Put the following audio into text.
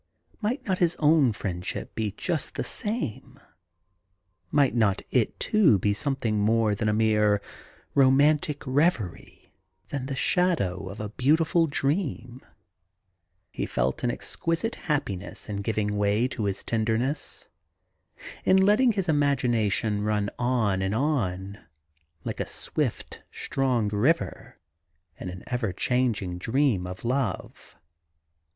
Might not 29 THE GARDEN GOD his own friendship be just the same ?... Might not it, too, be something more than a mere romantic reverie, than the shadow of a beautiful dream ? He felt an exquisite happiness in giving way to his tender ness, in letting his imagination run on and on, like a swift, strong river, in an ever changing dream of love.